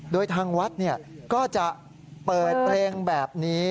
โดยทางวัดก็จะเปิดเพลงแบบนี้